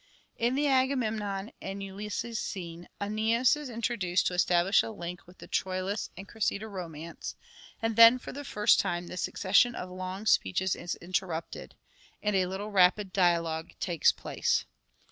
In the Agamemnon and Ulysses scene, ^Eneas is introduced to establish a link with the Troilus and Cressida romance ; and then for the first time the succession of long speeches is interrupted : and a little rapid dialogue takes place.